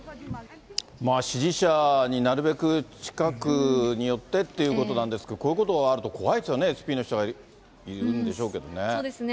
支持者になるべく近くに寄ってっていうことなんですけど、こういうことがあると怖いですよね、そうですね。